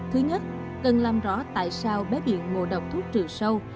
thứ nhất cần làm rõ tại sao bé bị ngộ độc thuốc trừ sâu